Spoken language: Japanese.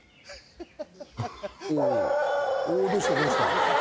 おぉどうしたどうした。